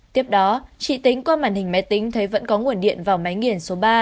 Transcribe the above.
tiếp đó chị tính qua màn hình máy tính thấy vẫn có nguồn điện vào máy nghiền số ba